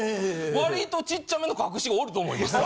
割とちっちゃめの隠し子おると思います。